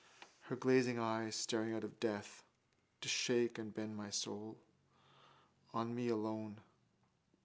Her glazing eyes, staring out of death, to shake and bend my soul. On me alone.